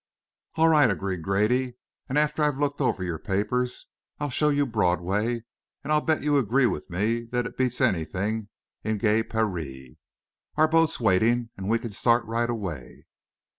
"All right," agreed Grady. "And after I've looked over your papers, I'll show you Broadway, and I'll bet you agree with me that it beats anything in gay Paree. Our boat's waiting, and we can start right away.